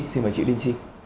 xin mời chị linh chi